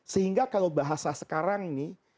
sehingga kalau bahasa sekarang ini